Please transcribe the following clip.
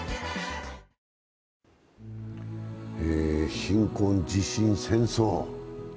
貧困、地震、戦争。